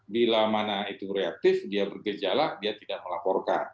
bila mana itu reaktif dia bergejala dia tidak melaporkan